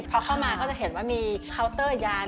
พอเข้ามาก็จะเห็นว่ามีเคาน์เตอร์ยาน